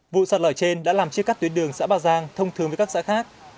vụ sạt lở trên đã làm chia cắt tuyến đường xã bà giang thông thường với các xã khác